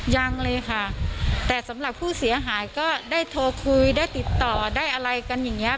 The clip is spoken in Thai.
ยังเลยค่ะแต่สำหรับผู้เสียหายก็ได้โทรคุยได้ติดต่อได้อะไรกันอย่างเงี้